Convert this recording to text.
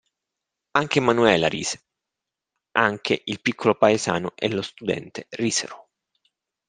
Anche Manuela rise, anche il piccolo paesano e lo studente risero.